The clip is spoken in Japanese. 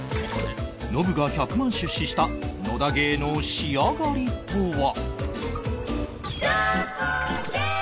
ノブが１００万出資した『野田ゲー』の仕上がりとは？